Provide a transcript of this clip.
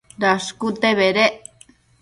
Dashcute bedec